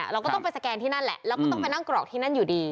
เราก็ต้องไปสแกนที่นั่นแหละเราก็ต้องไปนั่งกรอกที่นั่นอยู่ดี